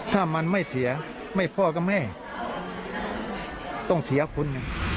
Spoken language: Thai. ถ้ามันไม่เสียไม่พ่อกับแม่ต้องเสียคุณ